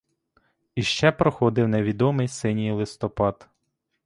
Іще проходив невідомий синій листопад.